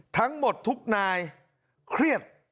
ทั้งหมดทุกนายเครียด